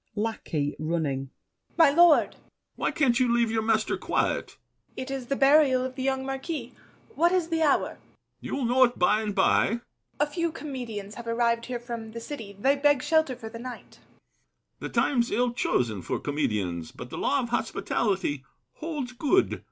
LACKEY (running). My lord! BRICHANTEAU. Why can't you leave your master quiet? LACKEY. It is the burial of the young marquis! What is the hour? BRICHANTEAU. You'll know it by and by. LACKEY. A few comedians have arrived here from The city; they beg shelter for the night. BRICHANTEAU. The time's ill chosen for comedians, but The law of hospitality holds good.